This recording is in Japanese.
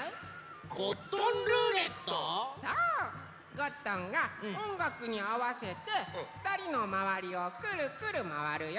ゴットンがおんがくにあわせてふたりのまわりをくるくるまわるよ。